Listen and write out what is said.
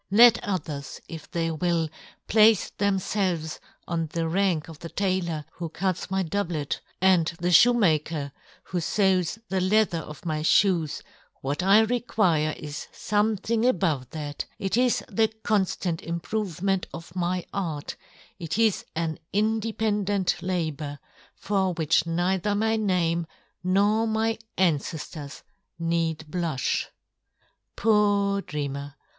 Let " others, if they will, place them " felves on a rank with the tailor, " who cuts my doublet, and the fhoe yohn Gutenberg. 47 " maker, who fews the leather of my " flioes, what I require is fomething " above that — it is the conftant im " provement of my art, it is an inde " pendent labour, for which neither " my name nor my anceftors need " blufh." Poor dreamer